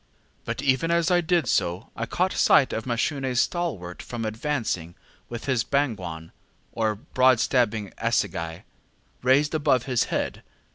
But even as I did so, I caught sight of MashuneŌĆÖs stalwart form advancing with his ŌĆśbangwan, ŌĆÖ or broad stabbing assegai, raised above his head.